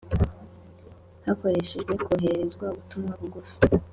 hakoreshejwe koherezwa umutumwa bugufi